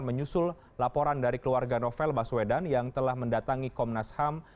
menyusul laporan dari keluarga novel baswedan yang telah mendatangi komnas ham